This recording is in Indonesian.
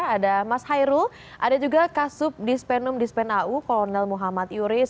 ada mas hairul ada juga kasub dispenum dispen au kolonel muhammad yuris